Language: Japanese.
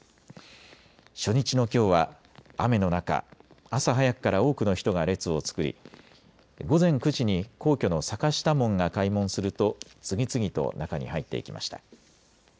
初日のきょうは雨の中、朝早くから多くの人が列を作り午前９時に皇居の坂下門が開門すると次々と中に入っていきました。